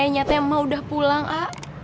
ternyata emma udah pulang a